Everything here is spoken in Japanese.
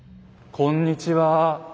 こんにちは。